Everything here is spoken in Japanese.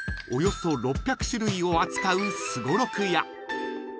およそ６００種類を扱うすごろくや］